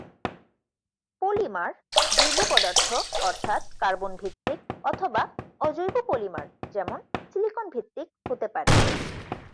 Polymer জৈব পদার্থ, অর্থাৎ কার্বন-ভিত্তিক, অথবা অজৈব পলিমার, যেমন সিলিকন-ভিত্তিক হতে পারে।